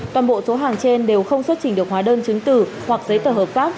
toàn bộ số hàng trên đều không xuất trình được hóa đơn chứng tử hoặc giấy tờ hợp pháp